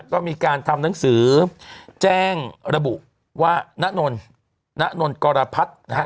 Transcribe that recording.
ก็มีการทำหนังสือแจ้งระบุว่าณนนกรพัฒน์นะฮะ